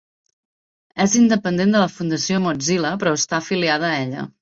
És independent de la Fundació Mozilla, però està afiliada a ella.